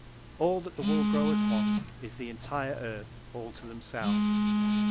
All that the wool growers want is the entire earth, all to themselves.